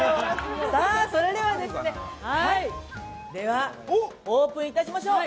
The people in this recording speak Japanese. さあ、それではですね、ではオープンいたしましょう。